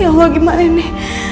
ya allah gimana ini